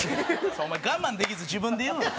お前我慢できず自分で言うな。